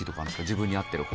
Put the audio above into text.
自分に合ってる方。